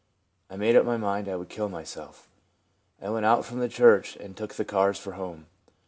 I made up my mind I would kill myself. I went out from the church and took the cars for home.